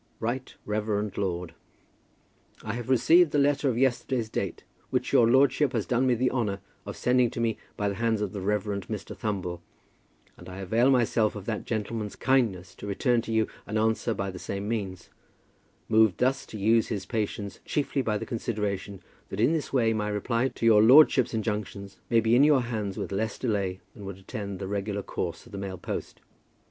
RIGHT REVEREND LORD, I have received the letter of yesterday's date which your lordship has done me the honour of sending to me by the hands of the Reverend Mr. Thumble, and I avail myself of that gentleman's kindness to return to you an answer by the same means, moved thus to use his patience chiefly by the consideration that in this way my reply to your lordship's injunctions may be in your hands with less delay than would attend the regular course of the mail post.